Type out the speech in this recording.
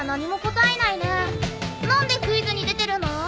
何でクイズに出てるの？